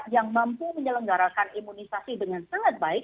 yang mampu menyelenggarakan imunisasi dengan sangat baik